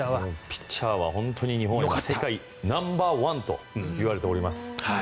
ピッチャーは日本は世界ナンバーワンといわれております。